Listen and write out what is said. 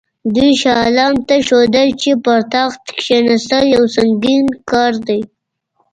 دوی شاه عالم ته ښودله چې پر تخت کښېنستل یو سنګین کار دی.